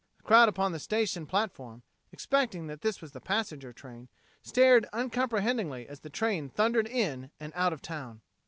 The crowd upon the station platform, expecting that this was the passenger train, stared uncomprehendingly as the train thundered in and out of town.